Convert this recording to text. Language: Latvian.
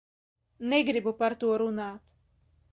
Negribu par to runāt.